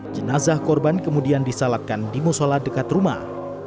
jenazah korban kemudian disalatkan di musola dekat rumah